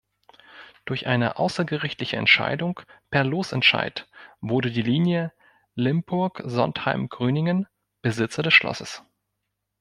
Durch eine außergerichtliche Entscheidung per Losentscheid wurde die Linie Limpurg-Sontheim-Gröningen Besitzer des Schlosses.